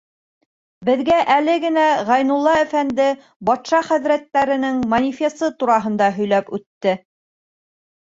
Беҙгә әле генә Ғәйнулла әфәнде батша хәҙрәттәренең манифесы тураһында һөйләп үтте.